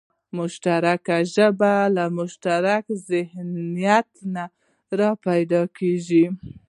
مشترکه ژبه له مشترک ذهنیت راپیدا کېږي